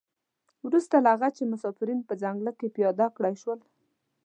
وروسته له هغه چې مسافرین په ځنګله کې پیاده کړای شول.